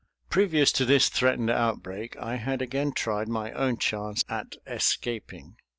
Previous to this threatened outbreak I had again tried my own chance at escaping.